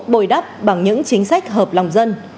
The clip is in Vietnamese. bồi đắp bằng những chính sách hợp lòng dân